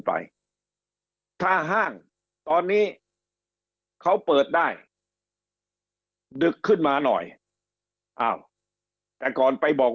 ไปถ้าห้างตอนนี้เขาเปิดได้ดึกขึ้นมาหน่อยอ้าวแต่ก่อนไปบอก